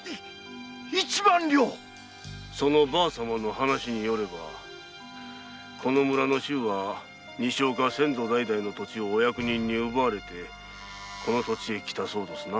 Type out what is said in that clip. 一万両そのバァ様の話によればこの村の衆は西岡先祖代々の土地をお役人に奪われてこの土地に来たそうどすな。